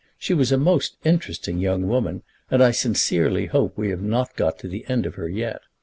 She was a most interesting young woman, and I sincerely hope we have not got to the end of her yet.